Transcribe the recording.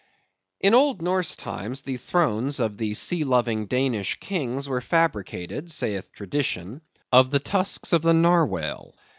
In old Norse times, the thrones of the sea loving Danish kings were fabricated, saith tradition, of the tusks of the narwhale.